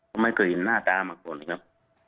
เขาไม่เคยเห็นหน้าตามากกว่านี้ครับ